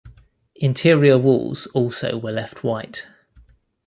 Interior walls also were left white.